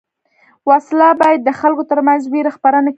وسله باید د خلکو تر منځ وېره خپره نه کړي